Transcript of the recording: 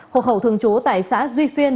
hục hậu thường trú tại xã duy phiên